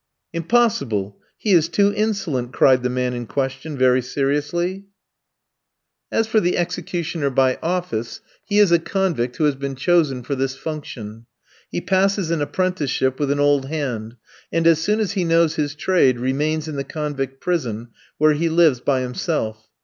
"Impossible! he is too insolent," cried the man in question, very seriously. As for the executioner by office, he is a convict who has been chosen for this function. He passes an apprenticeship with an old hand, and as soon as he knows his trade remains in the convict prison, where he lives by himself.